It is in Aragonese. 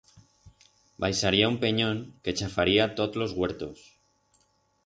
Baixaría un penyón que chafaría tot los huertos.